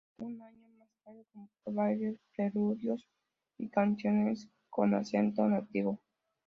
Un año más tarde compuso varios preludios y canciones con acento nativo.